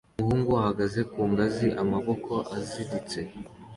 Umuhungu ahagaze ku ngazi amaboko aziritse